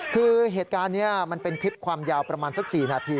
คือเหตุการณ์นี้มันเป็นคลิปความยาวประมาณสัก๔นาที